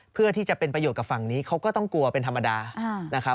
เพื่อที่จะเป็นประโยชน์กับฝั่งนี้เขาก็ต้องกลัวเป็นธรรมดานะครับ